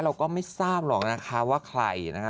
เราก็ไม่ทราบหรอกนะคะว่าใครนะคะ